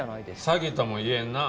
詐欺とも言えんな。